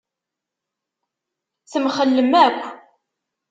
Temxellem akk.